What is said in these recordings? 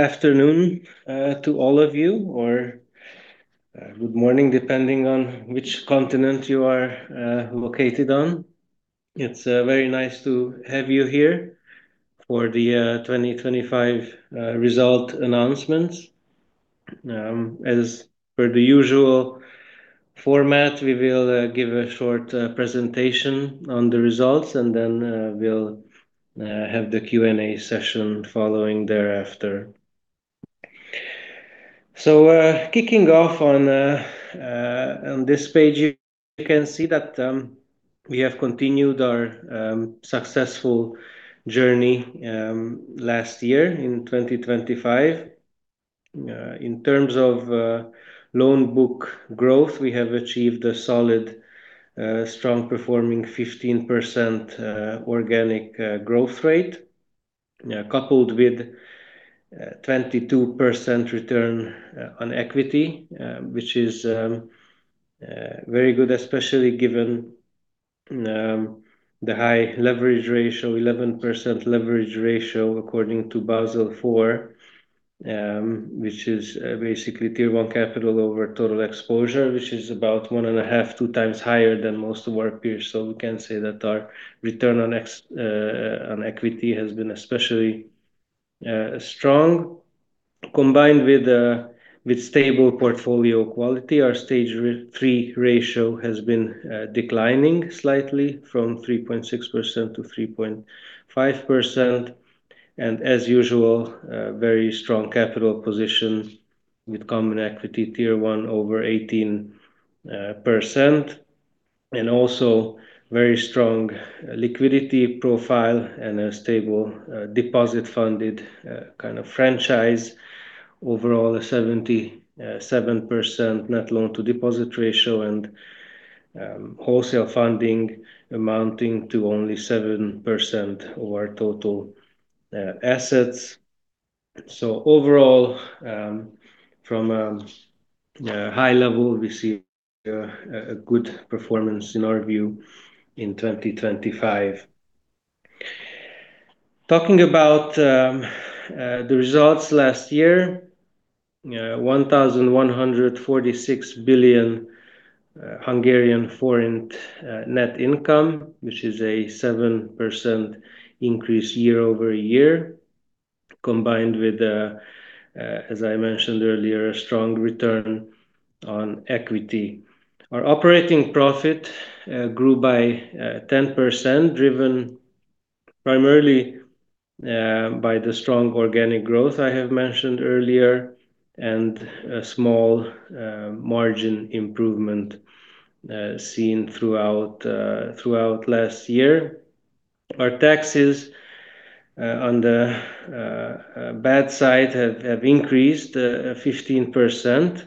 Afternoon, to all of you or good morning, depending on which continent you are, located on. It's very nice to have you here for the 2025 result announcements. As per the usual format, we will give a short presentation on the results, and then we'll have the Q&A session following thereafter. Kicking off on this page, you can see that we have continued our successful journey last year in 2025. In terms of loan book growth, we have achieved a solid, strong performing 15% organic growth rate, coupled with 22% Return on Equity, which is very good, especially given the high leverage ratio, 11% leverage ratio according to Basel IV, which is basically Tier 1 capital over total exposure, which is about 1.5, 2x higher than most of our peers. We can say that our Return on Equity has been especially strong. Combined with stable portfolio quality, our Stage 3 ratio has been declining slightly from 3.6%-3.5%. As usual, a very strong capital position with Common Equity Tier 1 over 18%, and also very strong liquidity profile and a stable deposit funded kind of franchise. Overall, a 77% net loan-to-deposit ratio and wholesale funding amounting to only 7% of our total assets. Overall, from a high level, we see a good performance in our view in 2025. Talking about the results last year, you know, 1,146 billion net income, which is a 7% increase year-over-year, combined with, as I mentioned earlier, a strong Return on Equity. Our operating profit grew by 10%, driven primarily by the strong organic growth I have mentioned earlier and a small margin improvement seen throughout last year. Our taxes on the bad side have increased 15%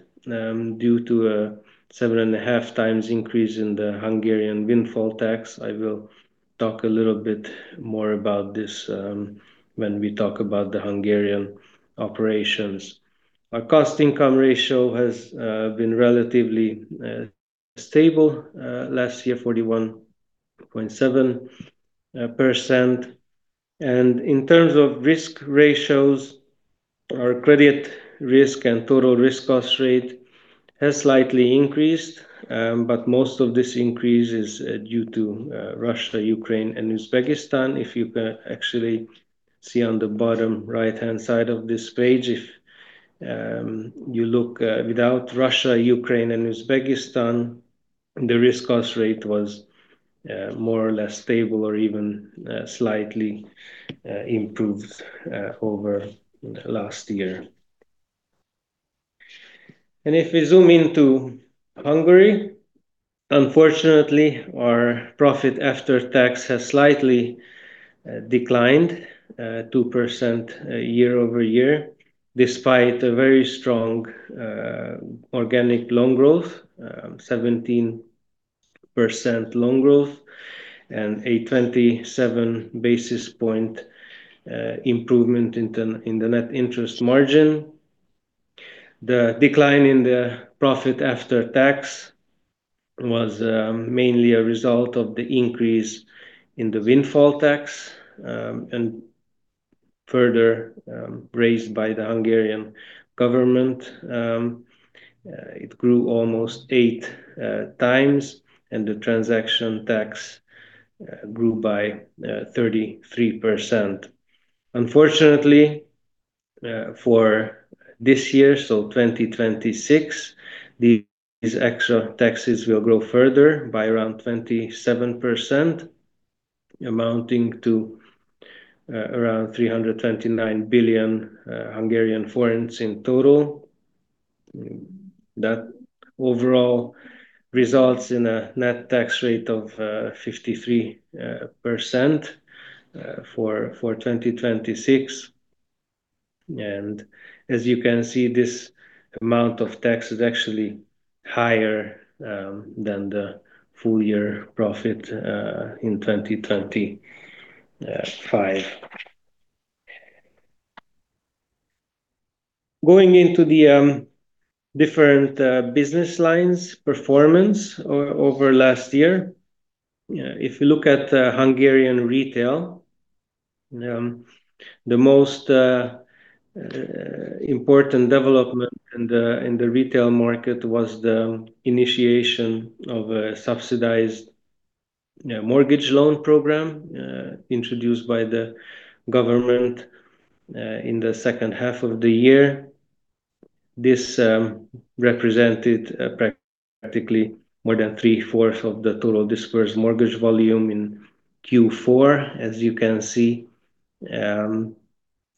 due to a 7.5x increase in the Hungarian windfall tax. I will talk a little bit more about this when we talk about the Hungarian operations. Our cost-to-income ratio has been relatively stable last year, 41.7%. In terms of risk ratios, our credit risk and total risk cost rate has slightly increased, but most of this increase is due to Russia, Ukraine and Uzbekistan. If you can actually see on the bottom right-hand side of this page, if you look without Russia, Ukraine and Uzbekistan, the risk cost rate was more or less stable or even slightly improved over last year. If we zoom into Hungary, unfortunately, our profit after tax has slightly declined 2% year-over-year, despite a very strong organic loan growth, 17% loan growth, and a 27 basis point improvement in the net interest margin. The decline in the profit after tax was mainly a result of the increase in the windfall tax and further raised by the Hungarian government. It grew almost 8x and the transaction tax grew by 33%. Unfortunately, for this year, so 2026, these extra taxes will grow further by around 27%, amounting to around 329 billion Hungarian forints in total. That overall results in a net tax rate of 53% for 2026. As you can see, this amount of tax is actually higher than the full-year profit in 2025. Going into the different business lines performance over last year. Yeah, if you look at the Hungarian retail, the most important development in the retail market was the initiation of a subsidized mortgage loan program introduced by the government in the second half of the year. This represented practically more than three-fourths of the total disbursed mortgage volume in Q4. As you can see,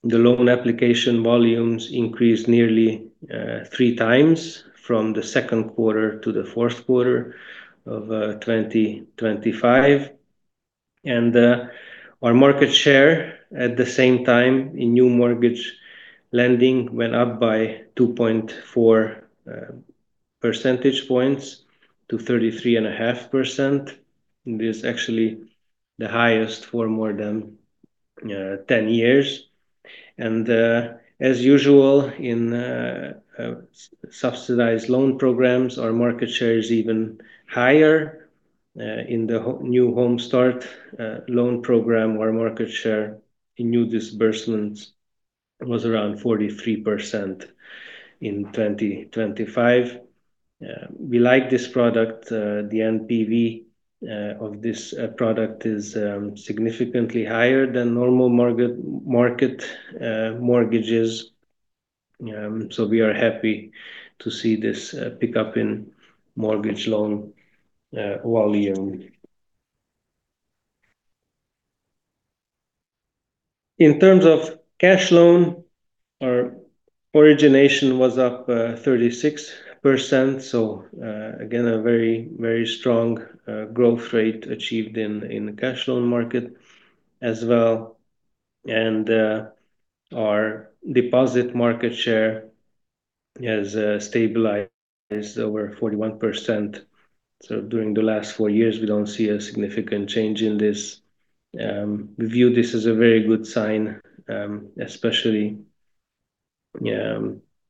the loan application volumes increased nearly 3x from the second quarter to the fourth quarter of 2025. Our market share at the same time in new mortgage lending went up by 2.4 percentage points to 33.5%. This is actually the highest for more than 10 years. As usual in subsidized loan programs, our market share is even higher. In the New Home Start Loan program, our market share in new disbursements was around 43% in 2025. We like this product. The NPV of this product is significantly higher than normal market mortgages. We are happy to see this pickup in mortgage loan volume. In terms of cash loan, our origination was up 36%. Again, a very, very strong growth rate achieved in the cash loan market as well. Our deposit market share has stabilized over 41%. During the last four years, we don't see a significant change in this. We view this as a very good sign, especially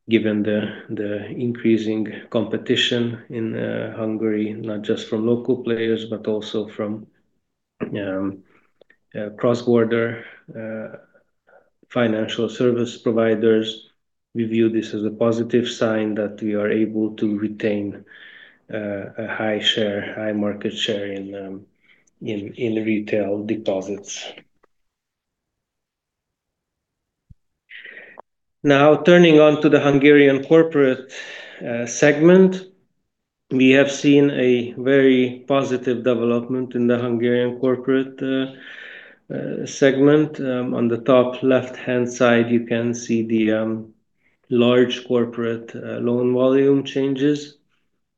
given the increasing competition in Hungary, not just from local players, but also from cross-border financial service providers. We view this as a positive sign that we are able to retain a high share, high market share in retail deposits. Now turning on to the Hungarian corporate segment, we have seen a very positive development in the Hungarian corporate segment. On the top left-hand side, you can see the large corporate loan volume changes.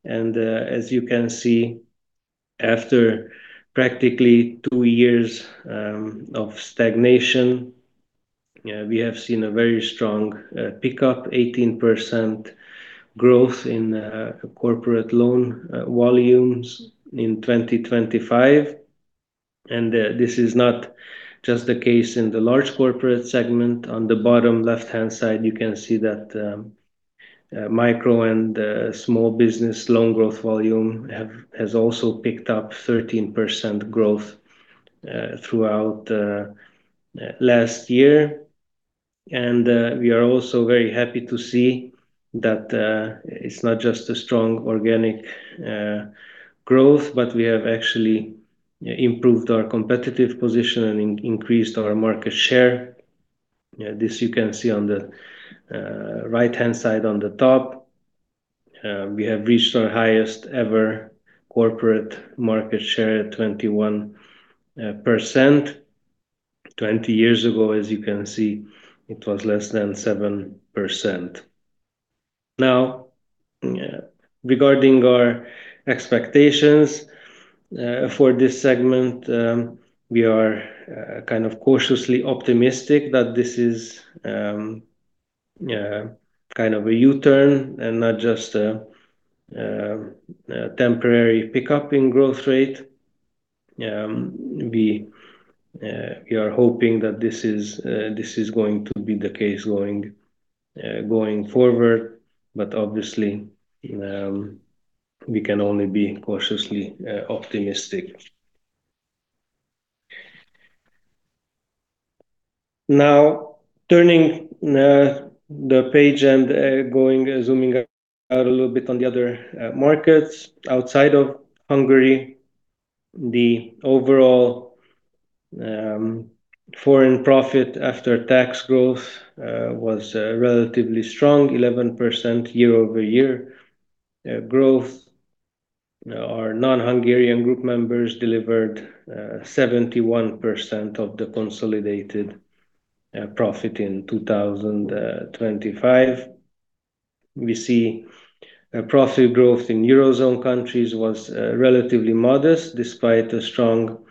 As you can see, after practically two years of stagnation, we have seen a very strong pickup, 18% growth in corporate loan volumes in 2025. This is not just the case in the large corporate segment. On the bottom left-hand side, you can see that micro and small business loan growth volume has also picked up 13% growth throughout last year. We are also very happy to see that it's not just a strong organic growth, but we have actually improved our competitive position and increased our market share. This you can see on the right-hand side on the top. We have reached our highest ever corporate market share at 21%. 20 years ago, as you can see, it was less than 7%. Now, regarding our expectations for this segment, we are kind of cautiously optimistic that this is kind of a U-turn and not just a temporary pickup in growth rate. We are hoping that this is going to be the case going forward. Obviously, we can only be cautiously optimistic. Turning the page and zooming out a little bit on the other markets outside of Hungary, the overall foreign profit after tax growth was relatively strong, 11% year-over-year growth. Our non-Hungarian group members delivered 71% of the consolidated profit in 2025. We see profit growth in Eurozone countries was relatively modest despite a strong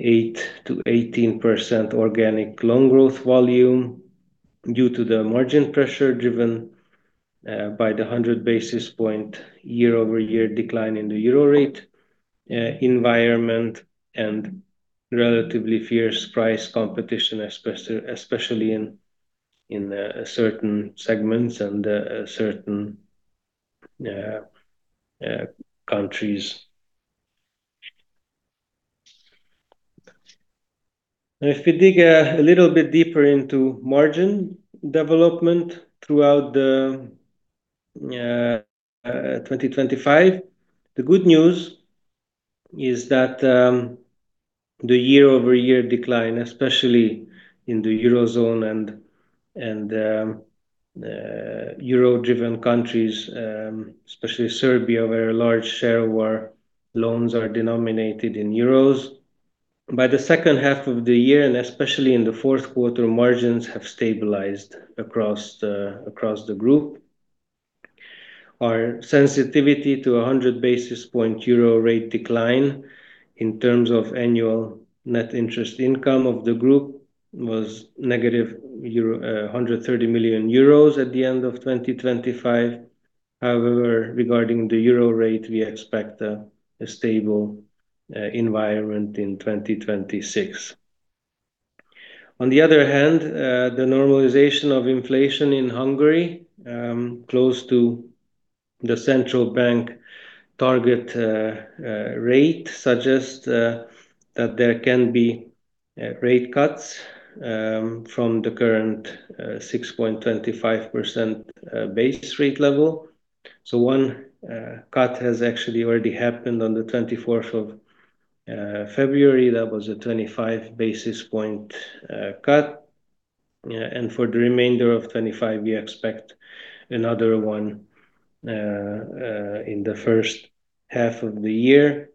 8%-18% organic loan growth volume due to the margin pressure driven by the 100 basis point year-over-year decline in the Euro rate environment and relatively fierce price competition, especially in certain segments and certain countries. If we dig a little bit deeper into margin development throughout the 2025, the good news is that the year-over-year decline, especially in the Eurozone and Euro-driven countries, especially Serbia, where a large share of our loans are denominated in euros. By the second half of the year, and especially in the fourth quarter, margins have stabilized across the group. Our sensitivity to a 100-basis-point euro rate decline in terms of annual net interest income of the group was negative 130 million euros at the end of 2025. Regarding the euro rate, we expect a stable environment in 2026. The normalization of inflation in Hungary close to the Hungarian National Bank target rate suggest that there can be rate cuts from the current 6.25% base rate level. One cut has actually already happened on the 24th of February. That was a 25 basis point cut. For the remainder of 2025, we expect another one in the first half of the year.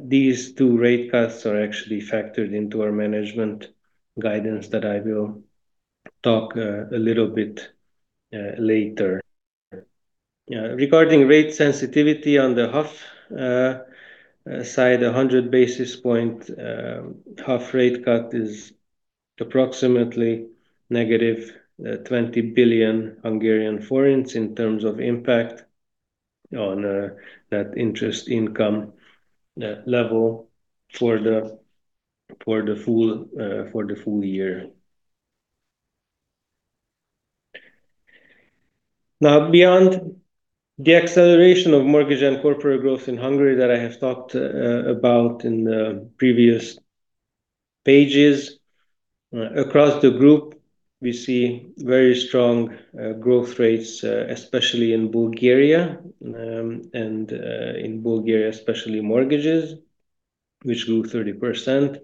These two rate cuts are actually factored into our management guidance that I will talk a little bit later. Regarding rate sensitivity on the HUF side, a 100-basis-point HUF rate cut is approximately negative 20 billion Hungarian forints in terms of impact on that interest income level for the full year. Beyond the acceleration of mortgage and corporate growth in Hungary that I have talked about in the previous pages, across the group, we see very strong growth rates, especially in Bulgaria, and in Bulgaria, especially mortgages, which grew 30%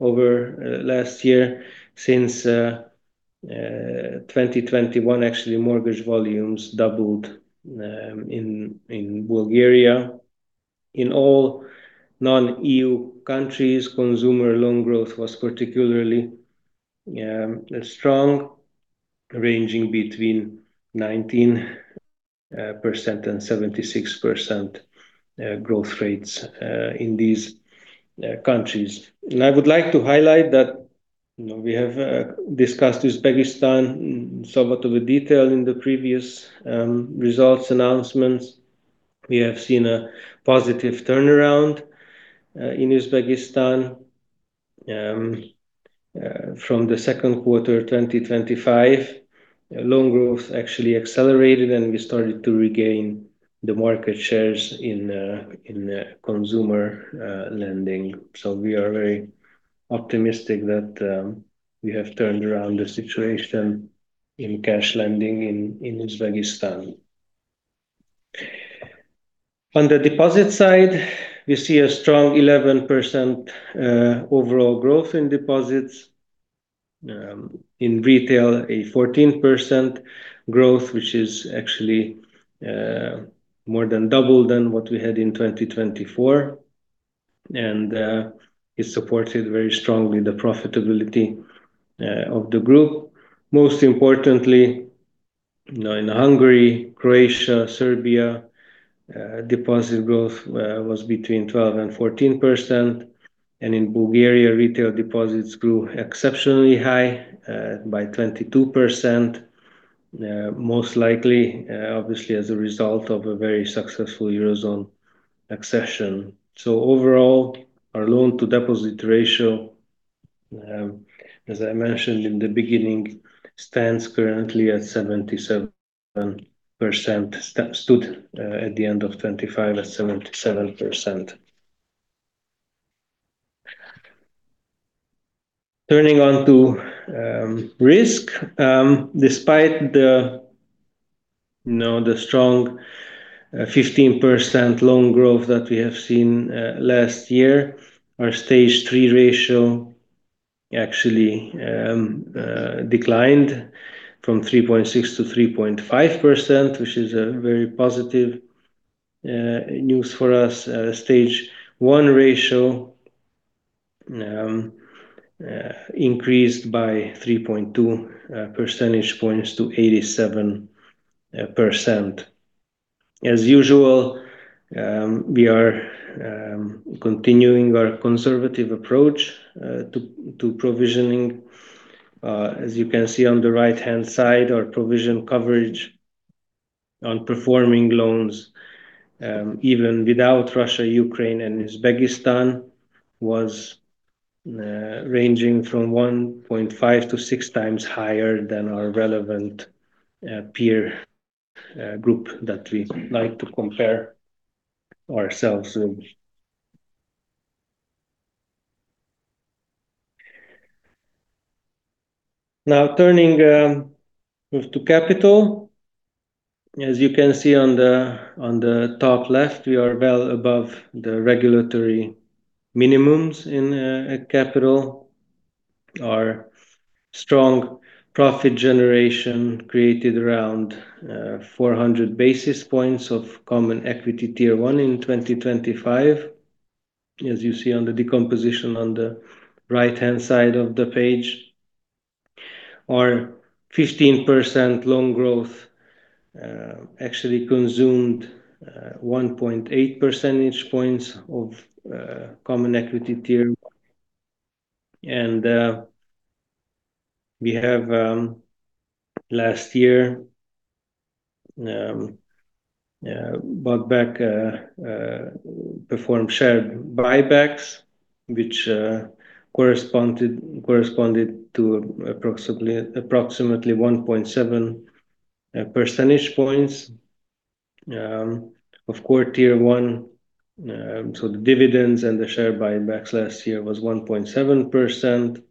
over last year. Since 2021, actually, mortgage volumes doubled in Bulgaria. In all non-EU countries, consumer loan growth was particularly strong, ranging between 19% and 76% growth rates in these countries. I would like to highlight that, you know, we have discussed Uzbekistan somewhat of a detail in the previous results announcements. We have seen a positive turnaround in Uzbekistan. From the second quarter 2025, loan growth actually accelerated, and we started to regain the market shares in consumer lending. We are very optimistic that we have turned around the situation in cash lending in Uzbekistan. On the deposit side, we see a strong 11% overall growth in deposits. In retail, a 14% growth, which is actually more than double than what we had in 2024. It supported very strongly the profitability of the group. Most importantly, you know, in Hungary, Croatia, Serbia, deposit growth was between 12% and 14%. In Bulgaria, retail deposits grew exceptionally high by 22%, most likely obviously as a result of a very successful Eurozone accession. Overall, our loan-to-deposit ratio, as I mentioned in the beginning, stands currently at 77%. stood at the end of 2025 at 77%. Turning on to risk. Despite the, you know, the strong 15% loan growth that we have seen last year, our Stage 3 ratio actually declined from 3.6%-3.5%, which is a very positive news for us. Stage 1 ratio increased by 3.2 percentage points to 87%. As usual, we are continuing our conservative approach to provisioning. As you can see on the right-hand side, our provision coverage on performing loans even without Russia, Ukraine, and Uzbekistan was ranging from 1.5x-6x higher than our relevant peer group that we like to compare ourselves with. Now turning move to capital. As you can see on the top left, we are well above the regulatory minimums in capital. Our strong profit generation created around 400 basis points of Common Equity Tier 1 in 2025, as you see on the decomposition on the right-hand side of the page. Our 15% loan growth actually consumed 1.8 percentage points of Common Equity Tier 1. We have last year bought back performed share buybacks, which corresponded to approximately 1.7 percentage points of core Tier 1. The dividends and the share buybacks last year was 1.7%.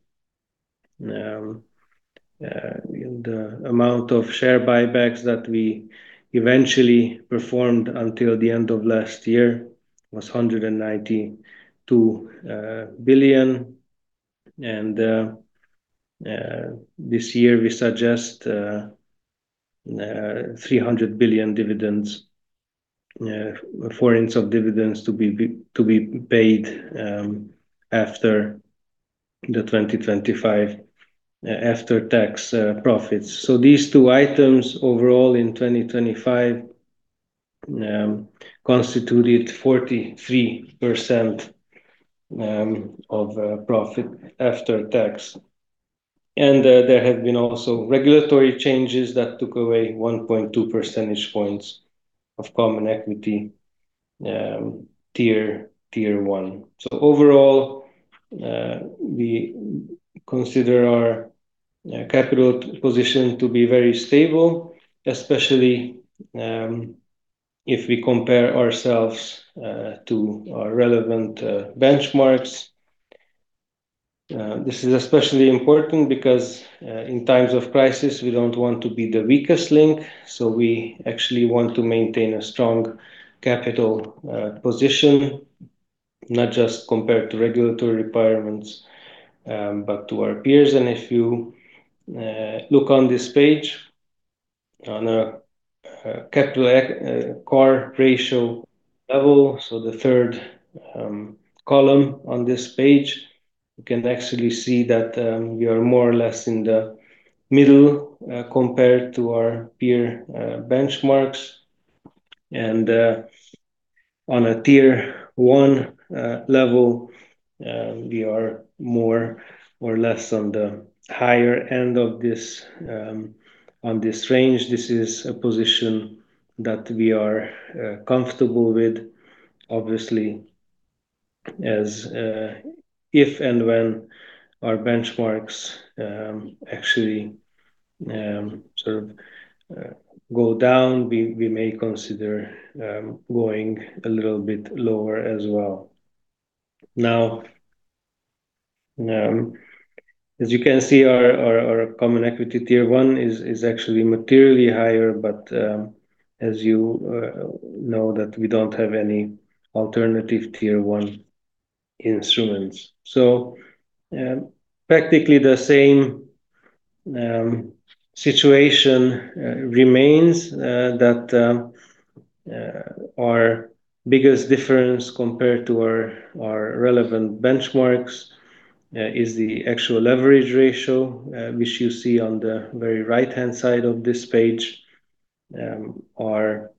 The amount of share buybacks that we eventually performed until the end of last year was 192 billion. This year we suggest 300 billion dividends, forints of dividends to be paid after the 2025 after-tax profits. These two items overall in 2025 constituted 43% of profit after tax. There have been also regulatory changes that took away 1.2 percentage points of Common Equity Tier 1. Overall, we consider our capital position to be very stable, especially if we compare ourselves to our relevant benchmarks. This is especially important because in times of crisis, we don't want to be the weakest link. We actually want to maintain a strong capital position, not just compared to regulatory requirements, but to our peers. If you look on this page on a CAR ratio level, the third column on this page, you can actually see that we are more or less in the middle compared to our peer benchmarks. On a Tier 1 level, we are more or less on the higher end of this on this range. This is a position that we are comfortable with. Obviously, as if and when our benchmarks actually sort of go down, we may consider going a little bit lower as well. As you can see our Common Equity Tier 1 is actually materially higher, as you know that we don't have any Additional Tier 1 instruments. Practically the same situation remains that our biggest difference compared to our relevant benchmarks is the actual leverage ratio, which you see on the very right-hand side of this page. Our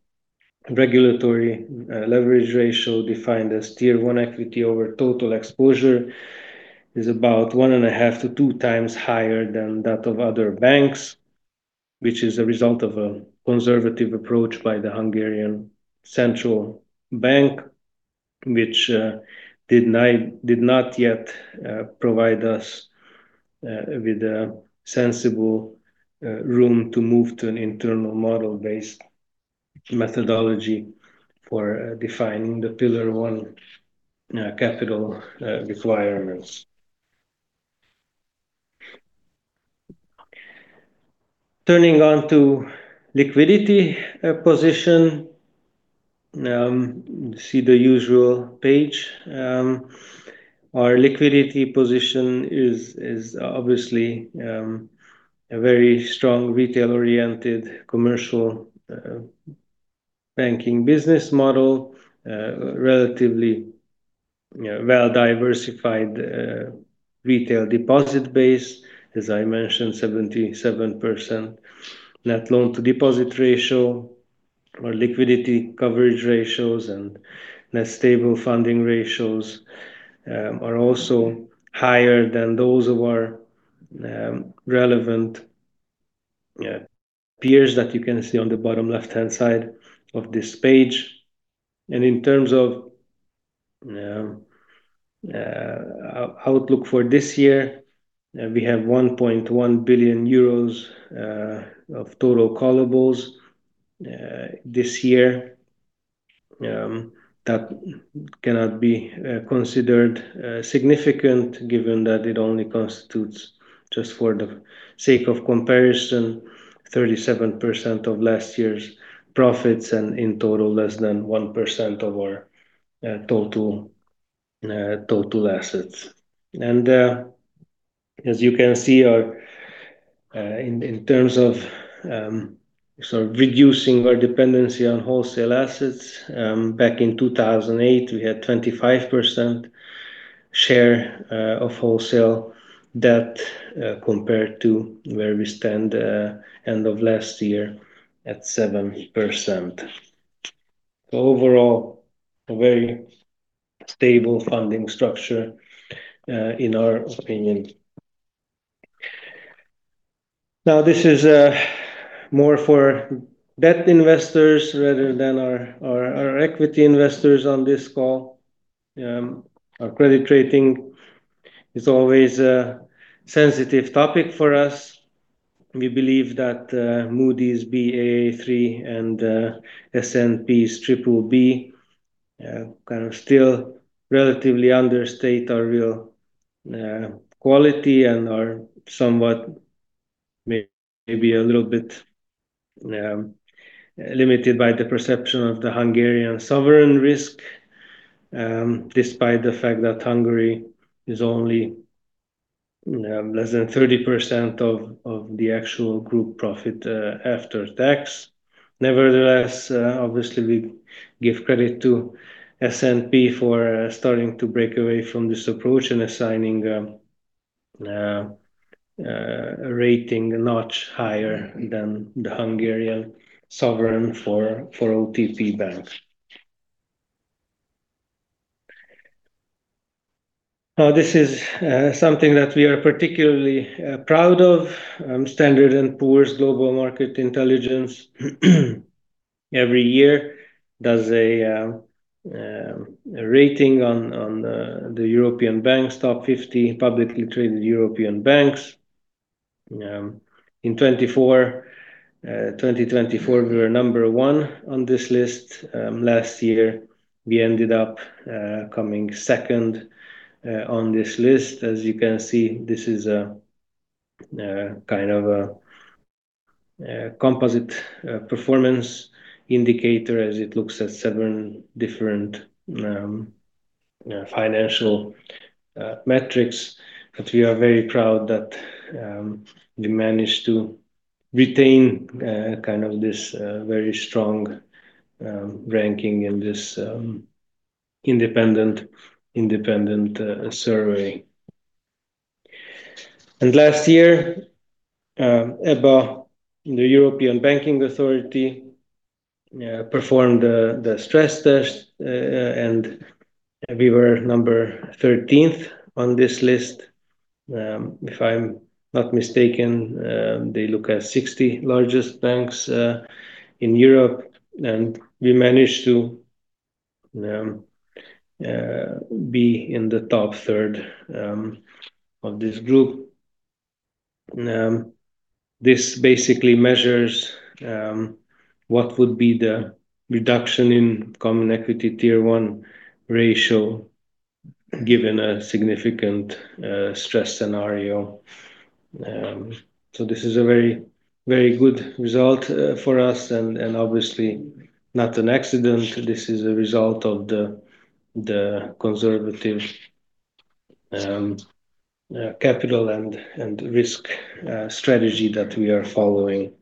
regulatory leverage ratio defined as Tier 1 equity over total exposure is about 1.5x-2x higher than that of other banks, which is a result of a conservative approach by the Hungarian National Bank, which did not yet provide us with a sensible room to move to an internal model-based methodology for defining the Pillar 1 capital requirements. Turning on to liquidity position, you see the usual page. Our liquidity position is obviously a very strong retail-oriented commercial banking business model, relatively, you know, well-diversified retail deposit base. As I mentioned, 77% net loan-to-deposit ratio or Liquidity Coverage Ratios and Net Stable Funding Ratios are also higher than those of our relevant. Yeah. Peers that you can see on the bottom left-hand side of this page. In terms of outlook for this year, we have 1.1 billion euros of total callables this year that cannot be considered significant given that it only constitutes, just for the sake of comparison, 37% of last year's profits and in total less than 1% of our total total assets. As you can see in terms of sort of reducing our dependency on wholesale assets, back in 2008, we had 25% share of wholesale debt compared to where we stand end of last year at 7%. Overall, a very stable funding structure in our opinion. Now this is more for debt investors rather than our equity investors on this call. Our credit rating is always a sensitive topic for us. We believe that Moody's Ba3 and S&P's BBB kind of still relatively understate our real quality and are somewhat maybe a little bit limited by the perception of the Hungarian sovereign risk, despite the fact that Hungary is only less than 30% of the actual group profit after tax. Nevertheless, obviously we give credit to S&P for starting to break away from this approach and assigning a rating a notch higher than the Hungarian sovereign for OTP Bank. Now this is something that we are particularly proud of. S&P Global Market Intelligence every year does a rating on the European banks, top 50 publicly traded European banks. In 2024, we were number 1 on this list. Last year, we ended up coming second on this list. As you can see, this is a kind of a composite performance indicator as it looks at seven different financial metrics. We are very proud that we managed to retain kind of this very strong ranking in this independent survey. Last year, EBA, the European Banking Authority, performed the stress test, and we were number 13th on this list. If I'm not mistaken, they look at 60 largest banks in Europe, we managed to be in the top third of this group. This basically measures what would be the reduction in Common Equity Tier 1 ratio given a significant stress scenario. This is a very, very good result for us and obviously not an accident. This is a result of the conservative capital and risk strategy that we are following.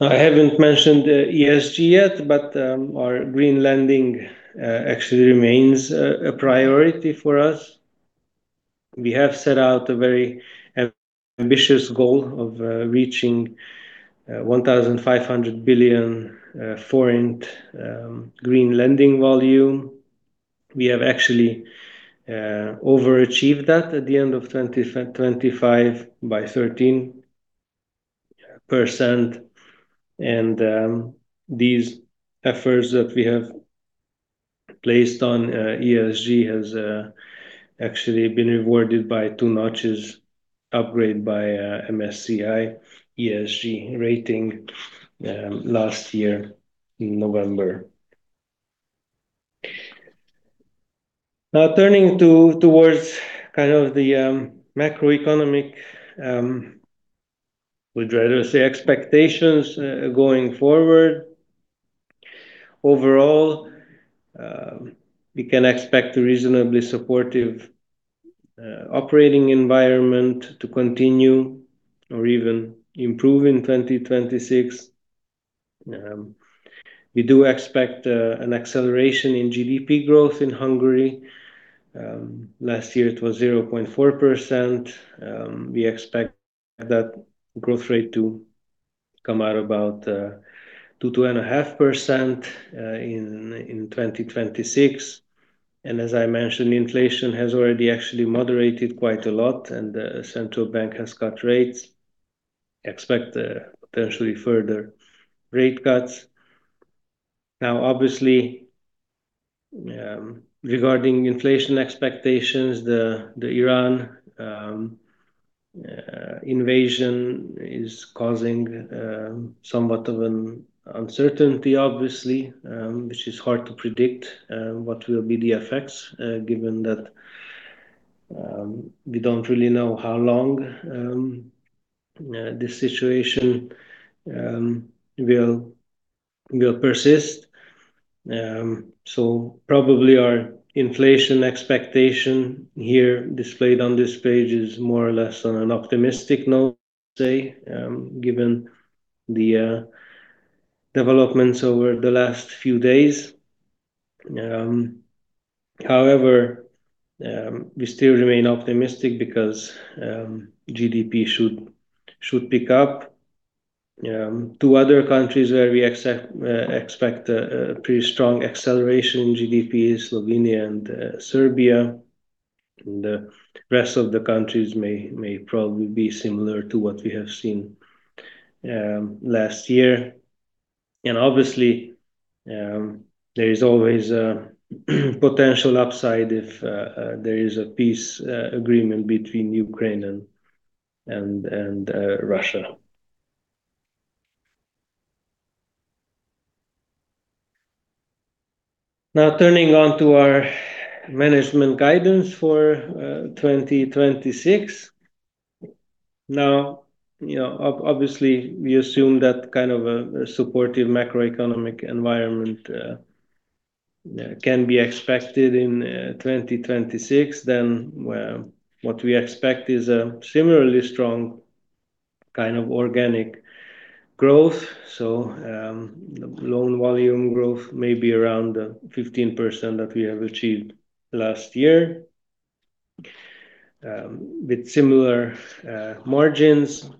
I haven't mentioned ESG yet, our green lending actually remains a priority for us. We have set out a very ambitious goal of reaching 1,500 billion foreign green lending volume. We have actually overachieved that at the end of 2025 by 13%. These efforts that we have placed on ESG has actually been rewarded by two notches upgrade by MSCI ESG rating last year in November. Turning towards kind of the macroeconomic, we'd rather say expectations going forward. Overall, we can expect a reasonably supportive operating environment to continue or even improve in 2026. We do expect an acceleration in GDP growth in Hungary. Last year it was 0.4%. We expect that growth rate to come out about 2-2.5% in 2026. As I mentioned, inflation has already actually moderated quite a lot, and the central bank has cut rates. Expect potentially further rate cuts. Now obviously, regarding inflation expectations, the Ukraine invasion is causing somewhat of an uncertainty obviously, which is hard to predict what will be the effects given that we don't really know how long this situation will persist. Probably our inflation expectation here displayed on this page is more or less on an optimistic note, say, given the developments over the last few days. However, we still remain optimistic because GDP should pick up. Two other countries where we expect a pretty strong acceleration in GDP is Slovenia and Serbia. The rest of the countries may probably be similar to what we have seen last year. Obviously, there is always a potential upside if there is a peace agreement between Ukraine and Russia. Turning on to our management guidance for 2026. You know, obviously we assume that kind of a supportive macroeconomic environment can be expected in 2026, then well, what we expect is a similarly strong kind of organic growth. Loan volume growth may be around the 15% that we have achieved last year. With similar margins,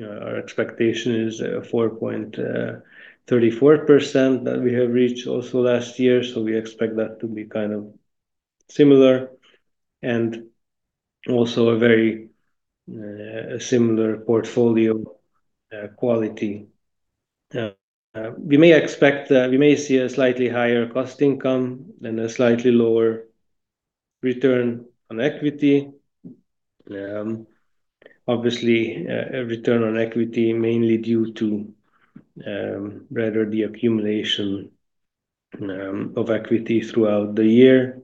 our expectation is 4.34% that we have reached also last year. We expect that to be kind of similar and also a very similar portfolio quality. We may expect, we may see a slightly higher cost-to-income and a slightly lower Return on Equity. obviously a Return on Equity mainly due to, rather the accumulation of equity throughout the year.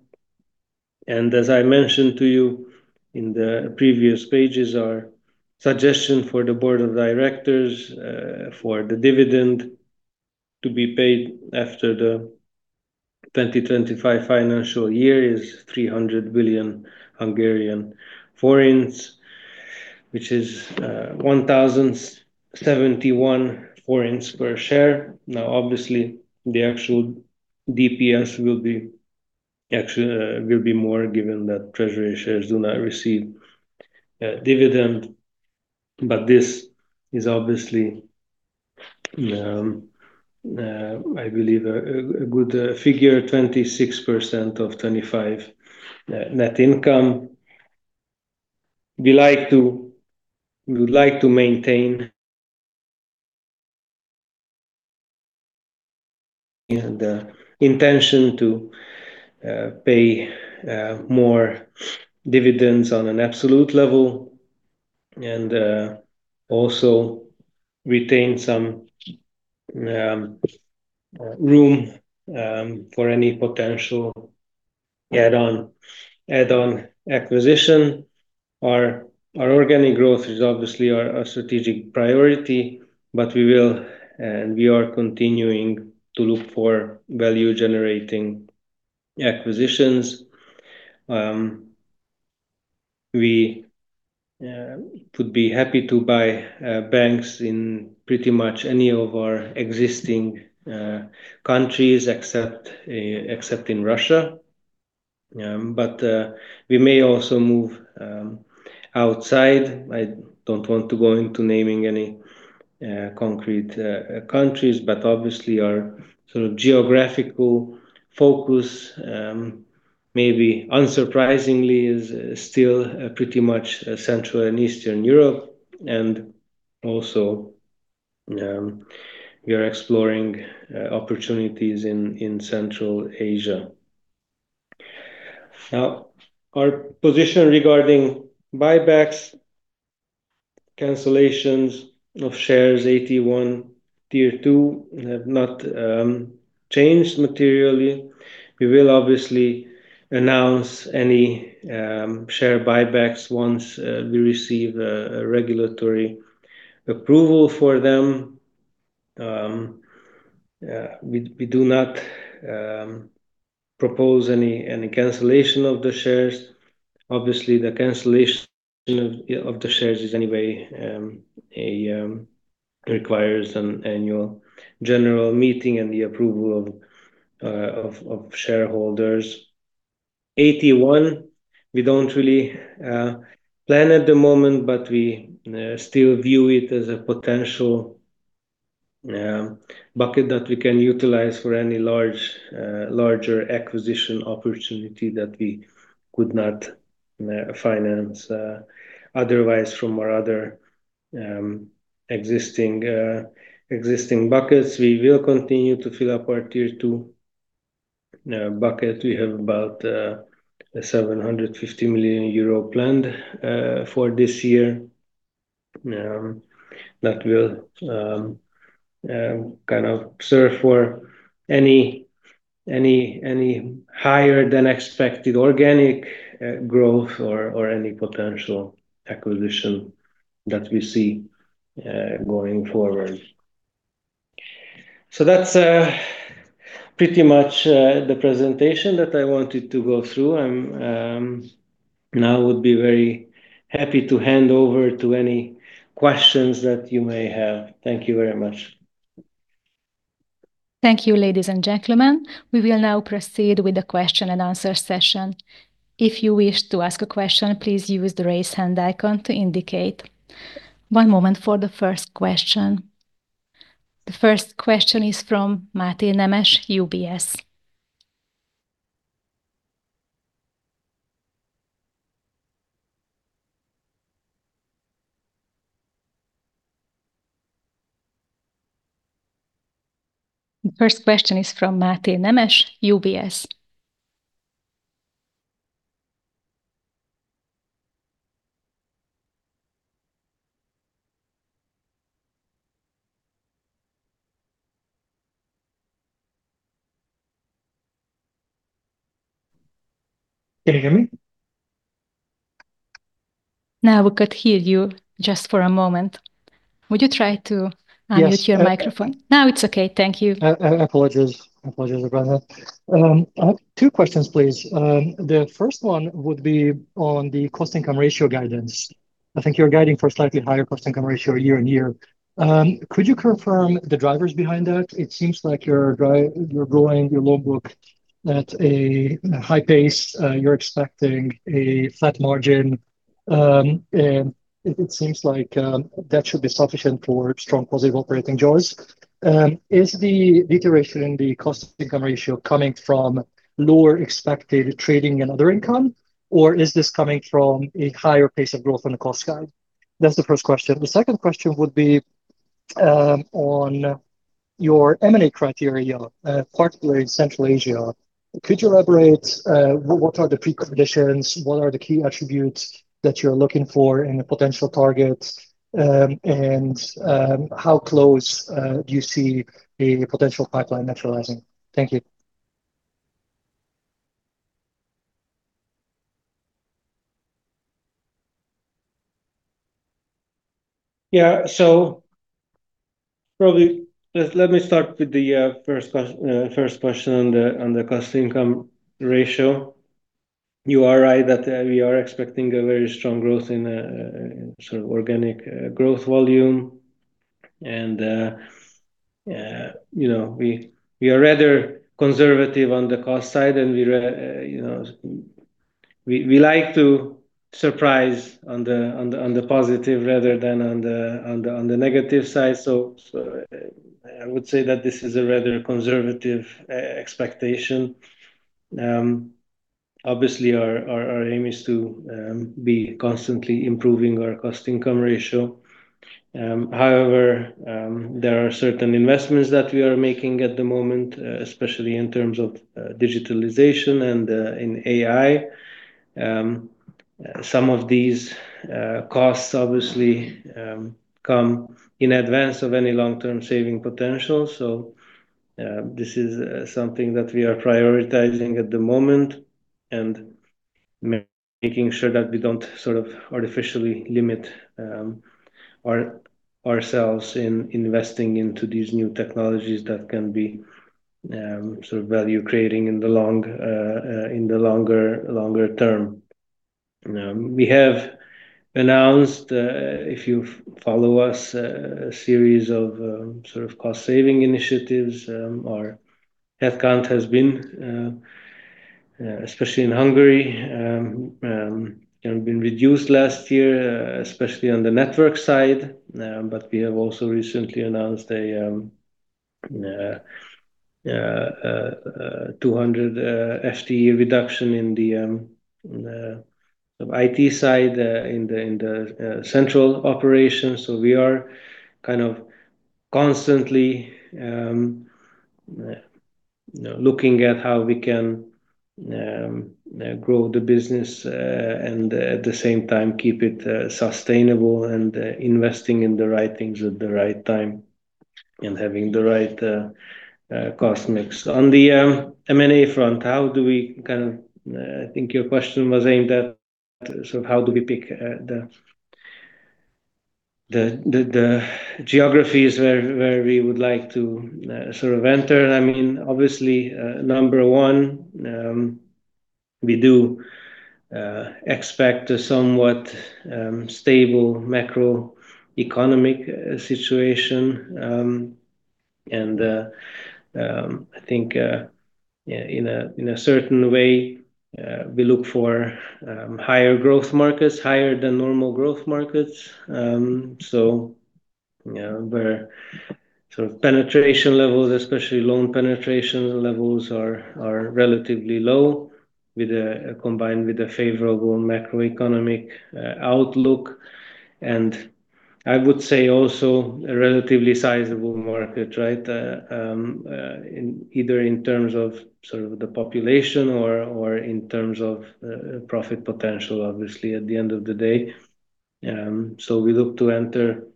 As I mentioned to you in the previous pages, our suggestion for the board of directors, for the dividend to be paid after the 2025 financial year is 300 billion, which is 1,071 per share. Obviously the actual DPS will be more given that treasury shares do not receive a dividend. This is obviously, I believe a good figure, 26% of 25 net income. We would like to maintain and the intention to pay more dividends on an absolute level and also retain some room for any potential add-on acquisition. Our organic growth is obviously our strategic priority, but we will, and we are continuing to look for value generating acquisitions. We would be happy to buy banks in pretty much any of our existing countries except in Russia. But we may also move outside. I don't want to go into naming any concrete countries, but obviously our sort of geographical focus, maybe unsurprisingly, is still pretty much Central and Eastern Europe. And also, we are exploring opportunities in Central Asia. Now, our position regarding buybacks, cancellations of shares AT1 Tier 2 have not changed materially. We will obviously announce any share buybacks once we receive regulatory approval for them. We do not propose any cancellation of the shares. The cancellation of the shares is anyway, requires an annual general meeting and the approval of shareholders. AT1, we don't really plan at the moment, but we still view it as a potential bucket that we can utilize for any larger acquisition opportunity that we could not finance otherwise from our other existing buckets. We will continue to fill up our Tier 2 bucket. We have about 750 million euro planned for this year, that will kind of serve for any higher than expected organic growth or any potential acquisition that we see going forward. That's pretty much the presentation that I wanted to go through. I'm now I would be very happy to hand over to any questions that you may have. Thank you very much. Thank you, ladies and gentlemen. We will now proceed with the question and answer session. If you wish to ask a question, please use the raise hand icon to indicate. One moment for the first question. The first question is from Máté Nemes, UBS. Can you hear me? Now we could hear you just for a moment. Would you try to Yes. Unmute your microphone? Now it's okay. Thank you. Apologies around that. I have two questions, please. The first one would be on the cost-to-income ratio guidance. I think you're guiding for a slightly higher cost-to-income ratio year-over-year. Could you confirm the drivers behind that? It seems like you're growing your loan book at a high pace. You're expecting a flat margin. It seems like that should be sufficient for strong positive operating jaws. Is the deterioration in the cost-to-income ratio coming from lower expected trading and other income, or is this coming from a higher pace of growth on the cost guide? That's the first question. The second question would be on your M&A criteria, particularly in Central Asia. Could you elaborate, what are the preconditions, what are the key attributes that you're looking for in a potential target? How close do you see a potential pipeline materializing? Thank you. Yeah. Probably let me start with the first question on the cost-to-income ratio. You are right that we are expecting a very strong growth in sort of organic growth volume. You know, we are rather conservative on the cost side, and we you know, we like to surprise on the positive rather than on the negative side. I would say that this is a rather conservative expectation. Obviously our aim is to be constantly improving our cost-to-income ratio. However, there are certain investments that we are making at the moment, especially in terms of digitalization and in AI. Some of these costs obviously come in advance of any long-term saving potential. This is something that we are prioritizing at the moment and making sure that we don't sort of artificially limit our, ourselves in investing into these new technologies that can be sort of value creating in the longer term. We have announced, if you follow us, a series of sort of cost saving initiatives. Our headcount has been especially in Hungary, you know, been reduced last year, especially on the network side. We have also recently announced a 200 FTE reduction in the IT side, in the central operations. We are kind of constantly, you know, looking at how we can grow the business, and at the same time keep it sustainable and investing in the right things at the right time and having the right cost mix. On the M&A front, how do we kind of, I think your question was aimed at sort of how do we pick the geographies where we would like to sort of enter. I mean, obviously, number one, we do expect a somewhat stable macroeconomic situation. I think, yeah, in a certain way, we look for higher growth markets, higher than normal growth markets. You know, where sort of penetration levels, especially loan penetration levels are relatively low combined with a favorable macroeconomic outlook. I would say also a relatively sizable market, right? In either in terms of sort of the population or in terms of profit potential, obviously at the end of the day. We look to enter,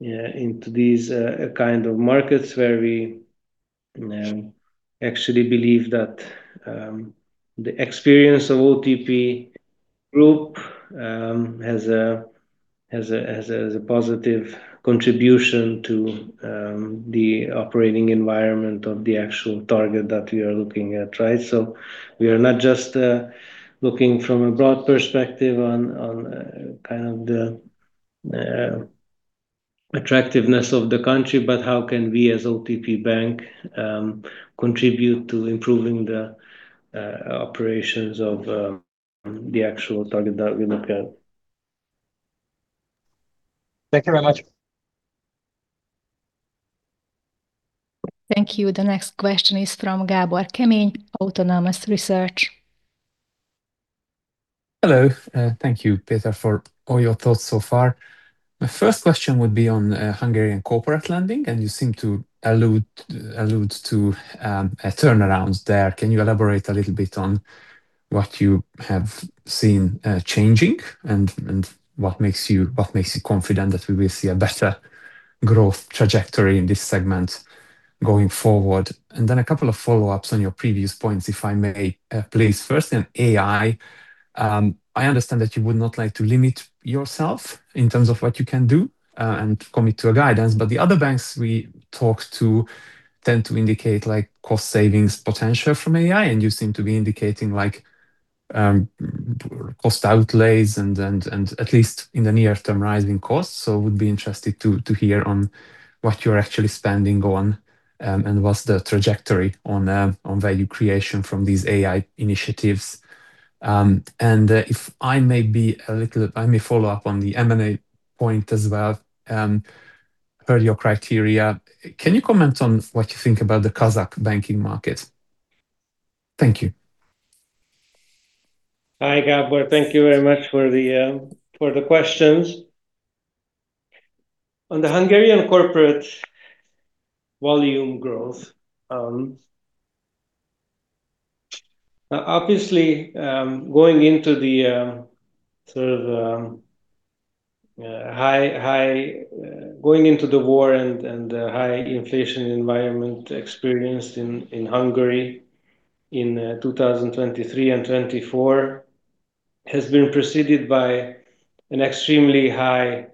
yeah, into these, kind of markets where we actually believe that the experience of OTP Group has a positive contribution to the operating environment of the actual target that we are looking at, right? We are not just looking from a broad perspective on kind of the attractiveness of the country, but how can we as OTP Bank contribute to improving the operations of the actual target that we look at. Thank you very much. Thank you. The next question is from Gabor Kemeny, Autonomous Research. Hello. Thank you, Péter, for all your thoughts so far. My first question would be on Hungarian corporate lending, and you seem to allude to a turnaround there. Can you elaborate a little bit on what you have seen changing and what makes you confident that we will see a better growth trajectory in this segment going forward? A couple of follow-ups on your previous points, if I may, please. First on AI, I understand that you would not like to limit yourself in terms of what you can do and commit to a guidance. The other banks we talked to tend to indicate like cost savings potential from AI, and you seem to be indicating like cost outlays and at least in the near term, rising costs. Would be interested to hear on what you're actually spending on, and what's the trajectory on value creation from these AI initiatives. If I may be let me follow up on the M&A point as well, per your criteria. Can you comment on what you think about the Kazakh banking market? Thank you. Hi, Gabor. Thank you very much for the questions. On the Hungarian corporate volume growth, obviously, going into the sort of Going into the war and high inflation environment experienced in Hungary in 2023 and 2024 has been preceded by an extremely high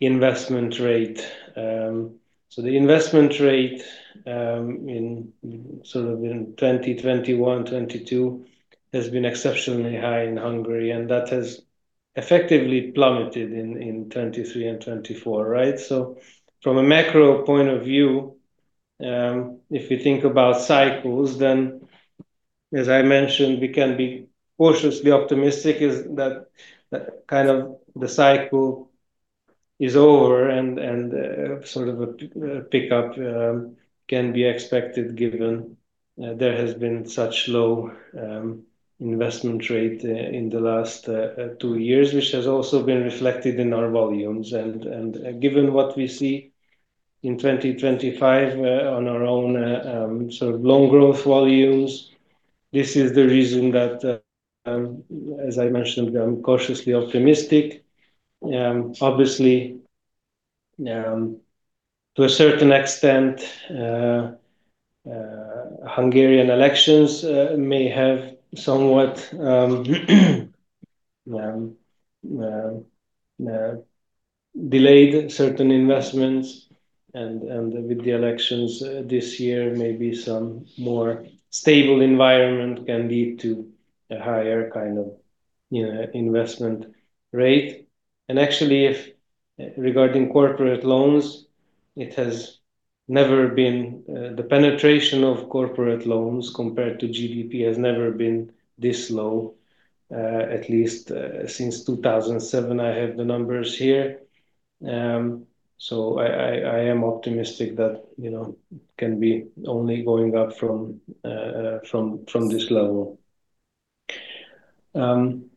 investment rate. The investment rate in sort of in 2020, 2021, 2022 has been exceptionally high in Hungary, and that has effectively plummeted in 2023 and 2024, right? From a macro point of view, if you think about cycles, then as I mentioned, we can be cautiously optimistic is that kind of the cycle is over and sort of a pickup can be expected given there has been such low investment rate in the last two years, which has also been reflected in our volumes. Given what we see in 2025 on our own sort of loan growth volumes, this is the reason that as I mentioned, I'm cautiously optimistic. Obviously, to a certain extent, Hungarian elections may have somewhat delayed certain investments. With the elections this year, maybe some more stable environment can lead to a higher kind of, you know, investment rate. Actually if regarding corporate loans, it has never been the penetration of corporate loans compared to GDP has never been this low, at least since 2007 I have the numbers here. I am optimistic that, you know, it can be only going up from this level. Going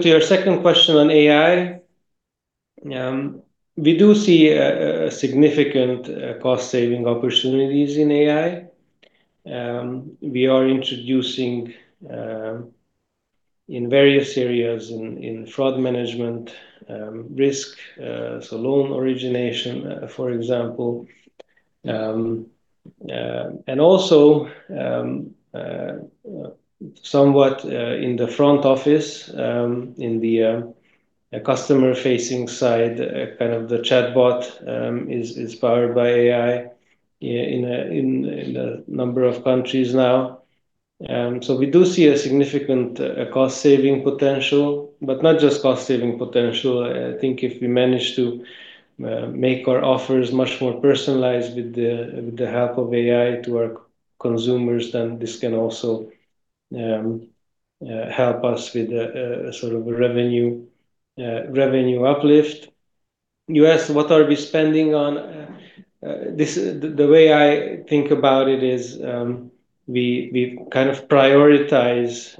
to your second question on AI, we do see significant cost saving opportunities in AI. We are introducing in various areas in fraud management, risk, so loan origination, for example. Also, somewhat, in the front office, in the customer-facing side, kind of the chatbot, is powered by AI in a number of countries now. We do see a significant cost-saving potential, but not just cost-saving potential. I think if we manage to make our offers much more personalized with the help of AI to our consumers, then this can also help us with a sort of a revenue uplift. You asked what are we spending on. This is the way I think about it is, we kind of prioritize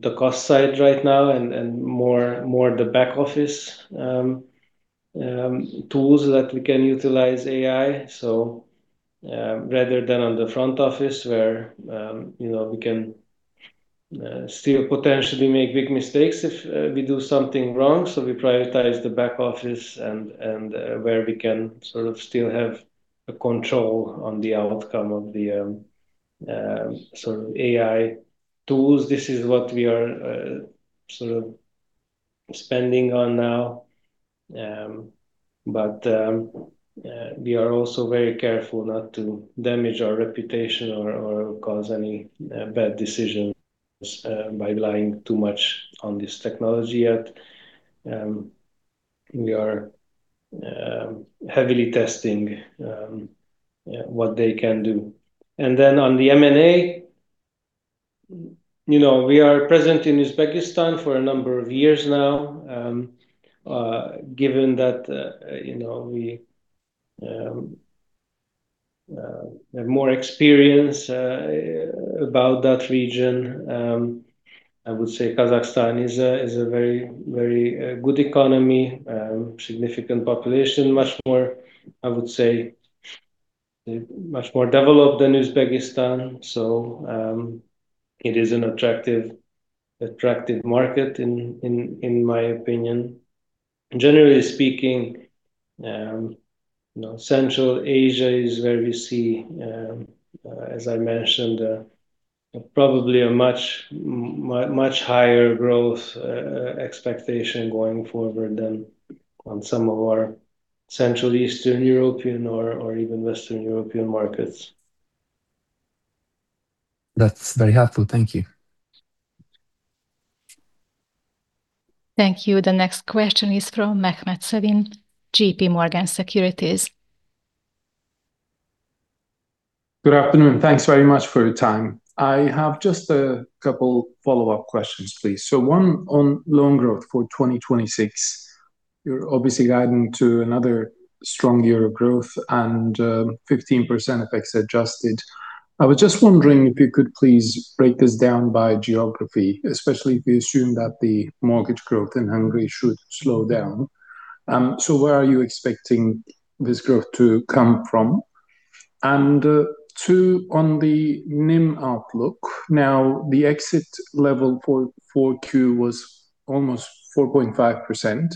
the cost side right now and more the back office tools that we can utilize AI. Rather than on the front office where, you know, we can still potentially make big mistakes if we do something wrong. We prioritize the back office and where we can sort of still have a control on the outcome of the sort of AI tools. This is what we are sort of spending on now. We are also very careful not to damage our reputation or cause any bad decisions by relying too much on this technology yet. We are heavily testing, yeah, what they can do. On the M&A, you know, we are present in Uzbekistan for a number of years now. Given that, you know, we have more experience about that region, I would say Kazakhstan is a very, very good economy, significant population, much more, I would say, much more developed than Uzbekistan. It is an attractive market in my opinion. Generally speaking, you know, Central Asia is where we see, as I mentioned, probably a much higher growth expectation going forward than on some of our Central Eastern European or even Western European markets. That's very helpful. Thank you. Thank you. The next question is from Mehmet Sevim, J.P. Morgan Securities. Good afternoon. Thanks very much for your time. I have just a couple follow-up questions, please. One on loan growth for 2026. You're obviously guiding to another strong year of growth and 15% FX adjusted. I was just wondering if you could please break this down by geography, especially if you assume that the mortgage growth in Hungary should slow down. Where are you expecting this growth to come from? Two on the NIM outlook. Now, the exit level for 4Q was almost 4.5%,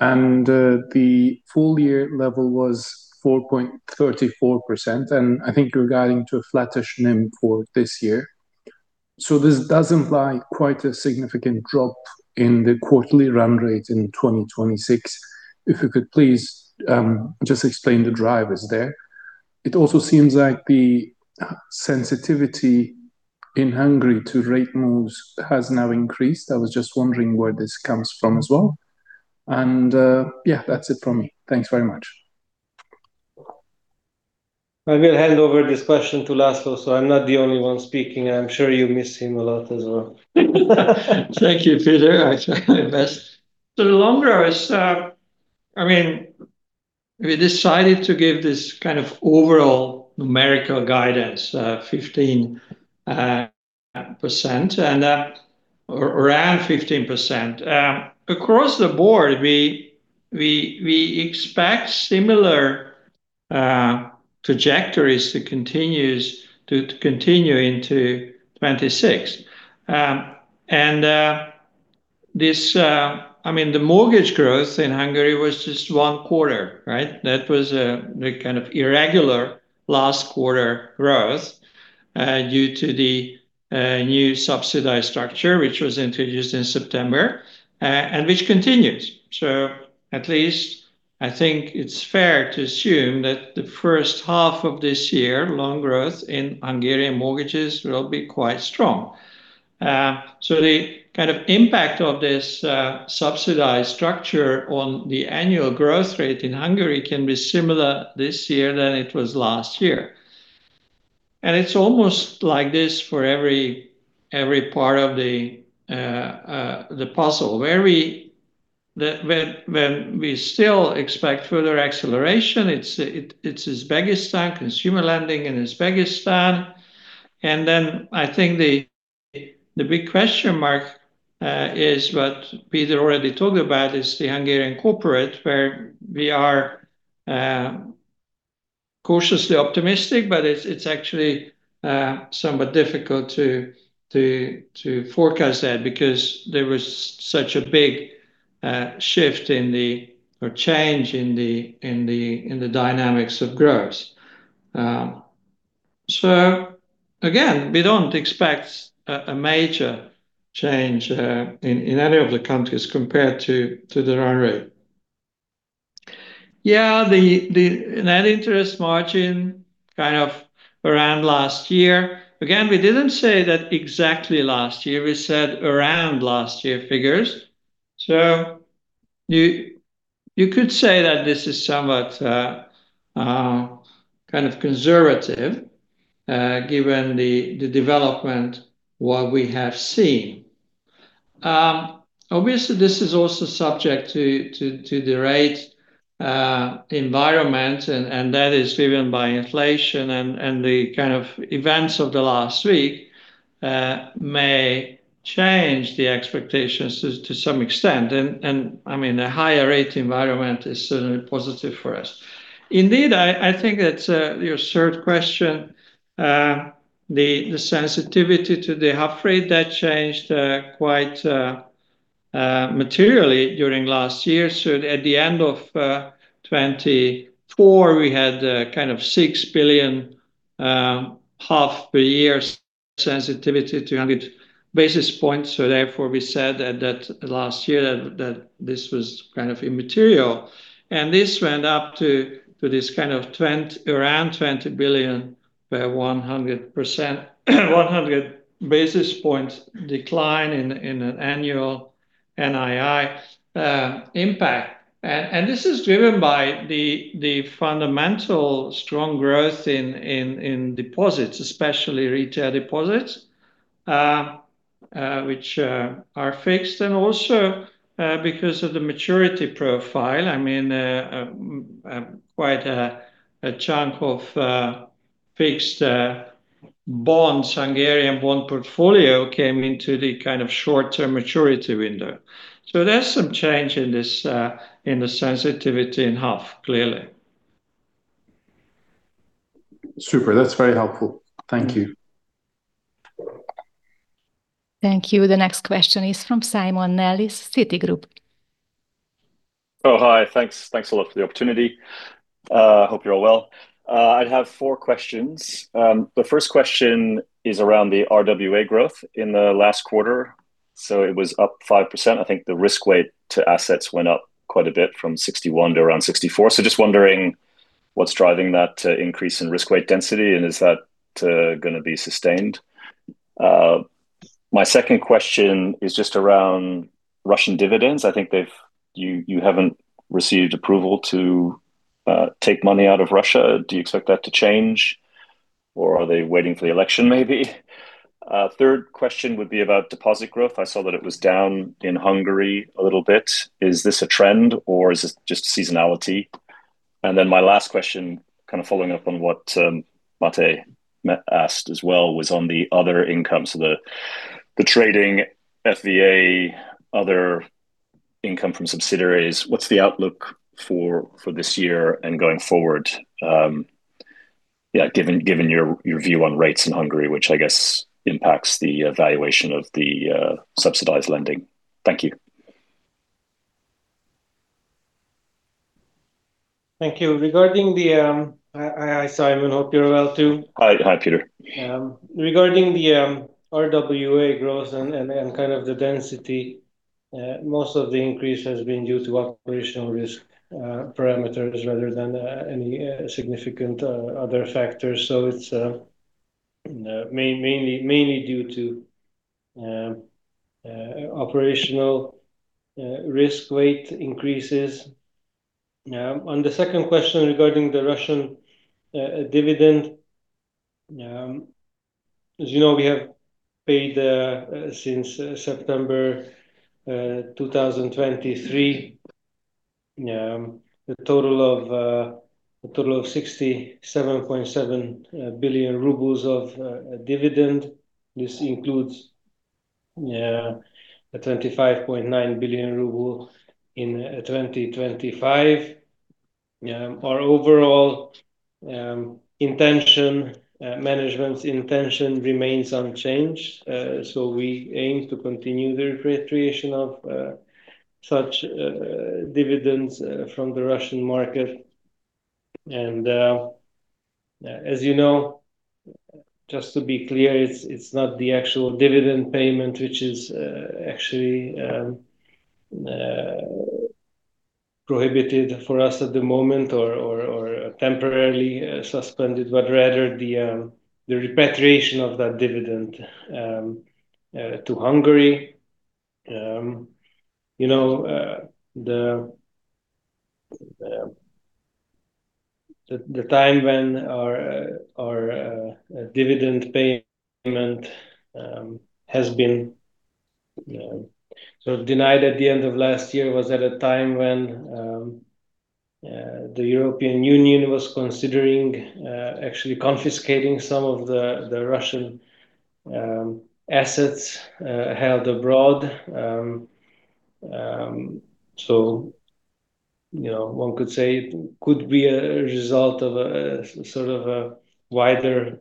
and the full year level was 4.34%. I think you're guiding to a flattish NIM for this year. This does imply quite a significant drop in the quarterly run rate in 2026. If you could please just explain the drivers there. It also seems like the sensitivity in Hungary to rate moves has now increased. I was just wondering where this comes from as well. Yeah, that's it from me. Thanks very much. I will hand over this question to László, so I'm not the only one speaking. I'm sure you miss him a lot as well. Thank you, Péter. I try my best. The loan growth is, I mean, we decided to give this kind of overall numerical guidance, 15%, and around 15%. Across the board, we expect similar trajectories to continue into 2026. This, I mean, the mortgage growth in Hungary was just one quarter, right? That was the kind of irregular last quarter growth, due to the new subsidized structure, which was introduced in September, and which continues. At least I think it's fair to assume that the first half of this year, loan growth in Hungarian mortgages will be quite strong. The kind of impact of this subsidized structure on the annual growth rate in Hungary can be similar this year than it was last year. It's almost like this for every part of the puzzle where when we still expect further acceleration, it's Uzbekistan consumer lending in Uzbekistan. I think the big question mark is what Péter already talked about is the Hungarian corporate where we are cautiously optimistic, but it's actually somewhat difficult to forecast that because there was such a big shift in the or change in the dynamics of growth. Again, we don't expect a major change in any of the countries compared to the run rate. The net interest margin kind of around last year. Again, we didn't say that exactly last year. We said around last year figures. You could say that this is somewhat kind of conservative given the development what we have seen. Obviously this is also subject to the rate environment and that is driven by inflation and the kind of events of the last week may change the expectations to some extent. I mean, a higher rate environment is certainly positive for us. Indeed, I think it's your third question, the sensitivity to the HUF rate that changed quite materially during last year. At the end of 2024 we had kind of 6 billion HUF per year sensitivity to 100 basis points. We said that last year that this was kind of immaterial. This went up to this kind of trend around 20 billion per 100%, 100 basis points decline in an annual NII impact. This is driven by the fundamental strong growth in deposits, especially retail deposits, which are fixed and also because of the maturity profile. I mean, quite a chunk of fixed bonds, Hungarian bond portfolio came into the kind of short-term maturity window. There's some change in this in the sensitivity in half, clearly. Super, that's very helpful. Thank you. Thank you. The next question is from Simon Nellis, Citigroup. Thanks. Thanks a lot for the opportunity. Hope you're all well. I'd have four questions. The first question is around the RWA growth in the last quarter. It was up 5%. I think the risk weight to assets went up quite a bit from 61 to around 64. Just wondering what's driving that increase in risk weight density, and is that going to be sustained? My second question is just around Russian dividends. I think you haven't received approval to take money out of Russia. Do you expect that to change, or are they waiting for the election maybe? Third question would be about deposit growth. I saw that it was down in Hungary a little bit. Is this a trend or is this just seasonality? My last question, kind of following up on what Máté asked as well, was on the other income. The trading FVA, other income from subsidiaries, what's the outlook for this year and going forward, given your view on rates in Hungary, which I guess impacts the valuation of the subsidized lending? Thank you. Thank you. Hi, Simon. Hope you're well too. Hi. Hi, Péter. Regarding the RWA growth and kind of the density, most of the increase has been due to operational risk parameters rather than any significant other factors. It's mainly due to operational risk weight increases. On the second question regarding the Russian dividend, as you know, we have paid since September 2023, a total of 67.7 billion rubles of dividend. This includes a 25.9 billion ruble in 2025. Our overall intention, management's intention remains unchanged. We aim to continue the repatriation of such dividends from the Russian market. As you know, just to be clear, it's not the actual dividend payment, which is actually prohibited for us at the moment or, or temporarily suspended, but rather the repatriation of that dividend to Hungary. You know, the time when our dividend payment has been sort of denied at the end of last year was at a time when the European Union was considering actually confiscating some of the Russian assets held abroad. You know, one could say it could be a result of a sort of a wider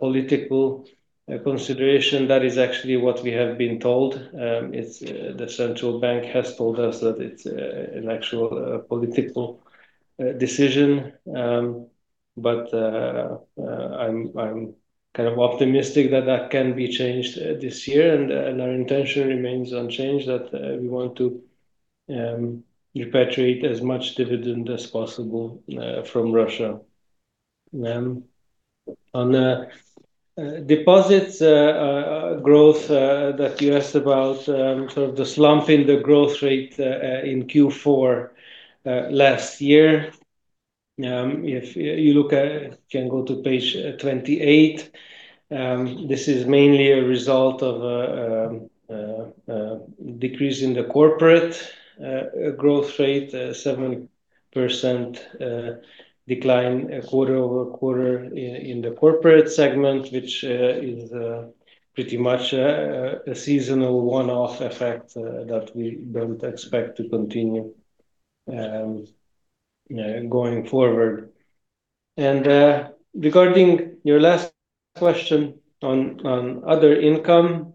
political consideration. That is actually what we have been told. The central bank has told us that it's an actual political decision. I'm kind of optimistic that that can be changed this year. Our intention remains unchanged that we want to repatriate as much dividend as possible from Russia. On deposits growth that you asked about, sort of the slump in the growth rate in Q4 last year. You can go to page 28. This is mainly a result of a decrease in the corporate growth rate. 7% decline quarter-over-quarter in the corporate segment, which is pretty much a seasonal one-off effect that we don't expect to continue going forward. Regarding your last question on other income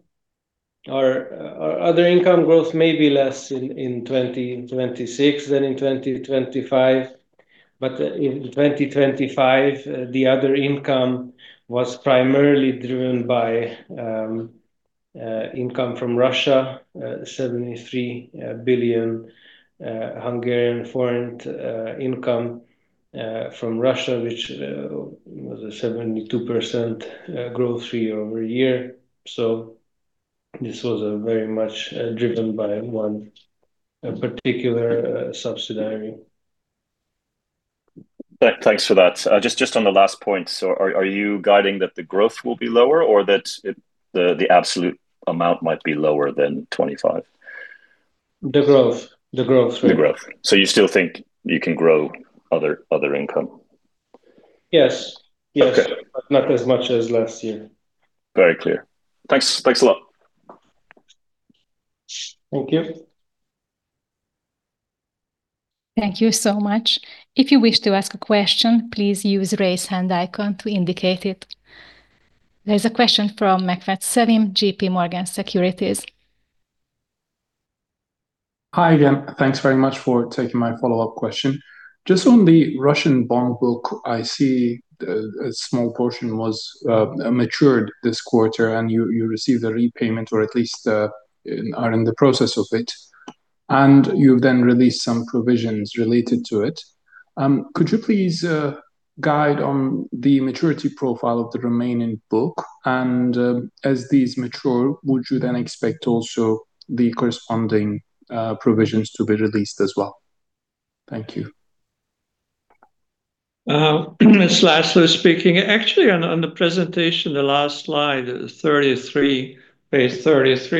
or other income growth may be less in 2026 than in 2025. In 2025, the other income was primarily driven by income from Russia, 73 billion income from Russia, which was a 72% growth year-over-year. This was very much driven by one particular subsidiary. Thanks for that. Just on the last point. Are you guiding that the growth will be lower or that the absolute amount might be lower than 25? The growth. The growth rate. The growth. You still think you can grow other income? Yes, yes. Okay. Not as much as last year. Very clear. Thanks. Thanks a lot. Thank you. Thank you so much. If you wish to ask a question, please use raise hand icon to indicate it. There's a question from Mehmet Sevim, J.P. Morgan Securities. Hi again. Thanks very much for taking my follow-up question. Just on the Russian bond book, I see a small portion was matured this quarter and you received a repayment or at least are in the process of it, and you've then released some provisions related to it. Could you please guide on the maturity profile of the remaining book? As these mature, would you then expect also the corresponding provisions to be released as well? Thank you. It's László speaking. On the presentation, the last slide page 33,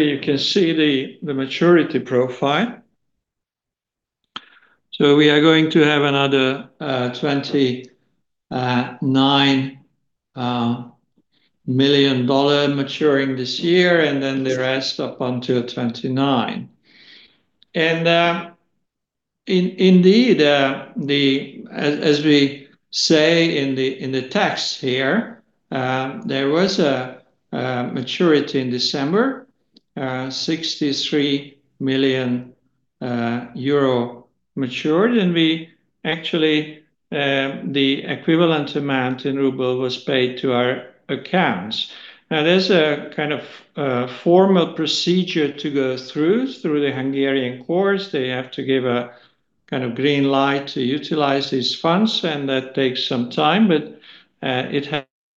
you can see the maturity profile. We are going to have another $29 million maturing this year and then the rest up until 2029. Indeed as we say in the text here, there was a maturity in December, 63 million euro matured, and we actually the equivalent amount in ruble was paid to our accounts. There's a kind of formal procedure to go through the Hungarian courts. They have to give a kind of green light to utilize these funds and that takes some time, it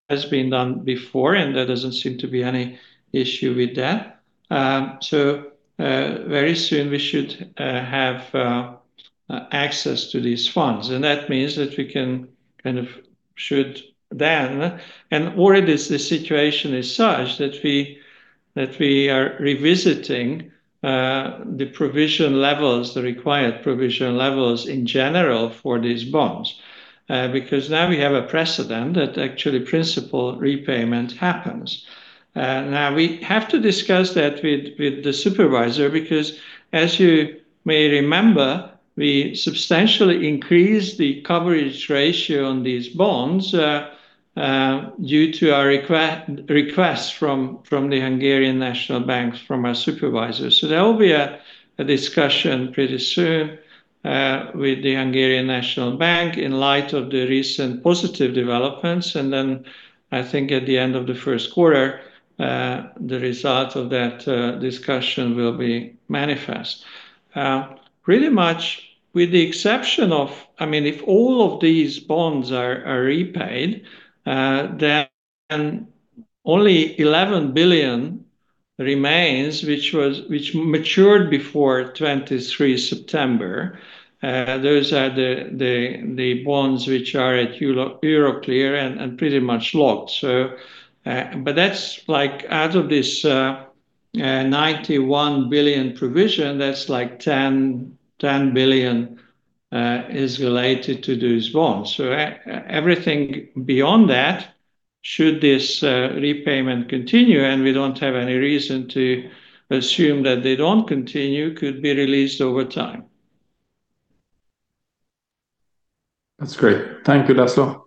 has been done before and there doesn't seem to be any issue with that. Very soon we should have access to these funds and that means that we can kind of should then and already the situation is such that we are revisiting the provision levels, the required provision levels in general for these bonds, because now we have a precedent that actually principal repayment happens. We have to discuss that with the supervisor because as you may remember, we substantially increased the coverage ratio on these bonds due to our request from the Hungarian National Bank, from our supervisors. There will be a discussion pretty soon with the Hungarian National Bank in light of the recent positive developments. I think at the end of the first quarter, the results of that discussion will be manifest. Pretty much with the exception of I mean if all of these bonds are repaid, then only 11 billion remains which matured before September 23. Those are the bonds which are at Euroclear and pretty much locked. That's like out of this 91 billion provision, that's like 10 billion is related to those bonds. Everything beyond that should this repayment continue, and we don't have any reason to assume that they don't continue, could be released over time. That's great. Thank you, László.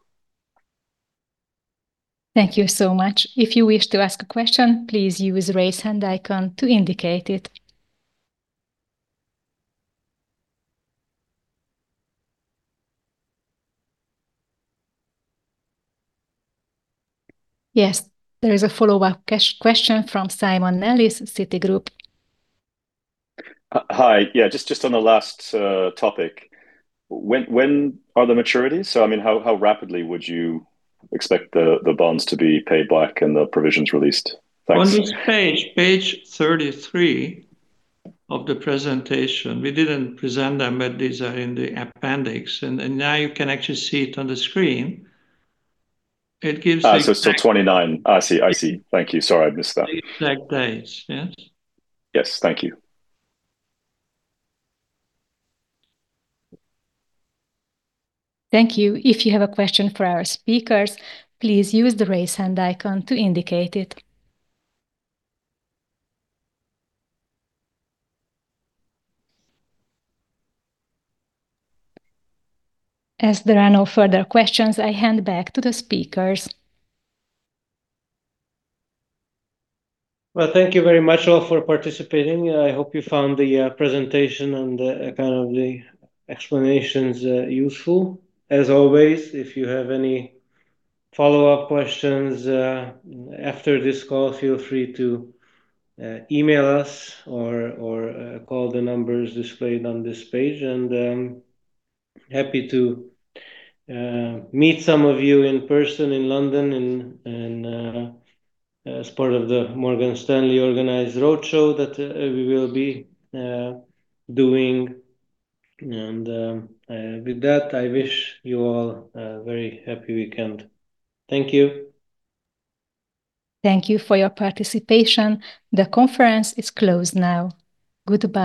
Thank you so much. If you wish to ask a question, please use raise hand icon to indicate it. Yes. There is a follow-up question from Simon Nellis, Citigroup. Hi. Yeah, just on the last topic. When are the maturities? I mean, how rapidly would you expect the bonds to be paid back and the provisions released? Thanks. On this page 33 of the presentation. We didn't present them, but these are in the appendix and now you can actually see it on the screen. Till 29. I see. I see. Thank you. Sorry, I missed that. The exact days, yes. Yes. Thank you. Thank you. If you have a question for our speakers, please use the raise hand icon to indicate it. As there are no further questions, I hand back to the speakers. Well, Thank you very much all for participating. I hope you found the presentation and kind of the explanations useful. As always, if you have any follow-up questions after this call, feel free to email us or call the numbers displayed on this page. Happy to meet some of you in person in London and as part of the Morgan Stanley organized road show that we will be doing. With that, I wish you all a very happy weekend. Thank you. Thank you for your participation. The conference is closed now. Goodbye.